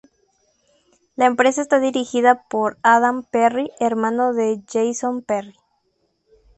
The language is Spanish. La empresa está dirigida por Adam Perry, hermano de Jason Perry.